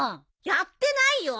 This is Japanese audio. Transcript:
やってないよ。